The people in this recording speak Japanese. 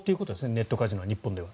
ネットカジノは日本では。